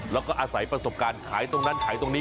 แล้วก็อาศัยประสบการณ์ขายตรงนั้นขายตรงนี้